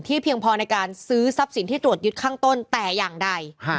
เพียงพอในการซื้อทรัพย์สินที่ตรวจยึดข้างต้นแต่อย่างใด